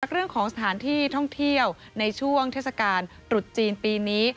เรื่องของสถานที่ท่องเที่ยวในช่วงเทศกาลตรุษจีนปีนี้